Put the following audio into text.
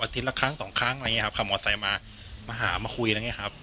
อาทิตย์ละครั้งสองครั้งอะไรเงี้ยครับค่ะหมอไซมามาหามาคุยอะไรเงี้ยครับ